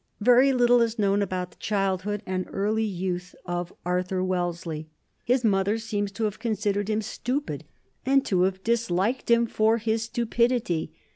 Very little is known about the childhood and early youth of Arthur Wellesley. His mother seems to have considered him stupid, and to have disliked him for his stupidity.